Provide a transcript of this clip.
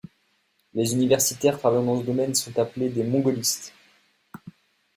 Les universitaires travaillant dans ce domaine sont appelés des mongolistes.